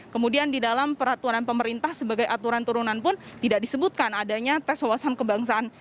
kemudian di dalam peraturan pemerintah sebagai aturan turunan pun tidak disebutkan adanya tes wawasan kebangsaan